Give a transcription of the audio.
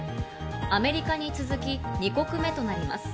アメリカに続き、２国目となります。